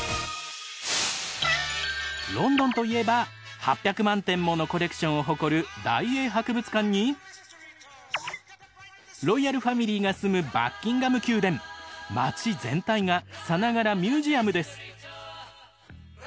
ロンドンといえば８００万点ものコレクションを誇るロイヤルファミリーが住む町全体がさながらミュージアムです。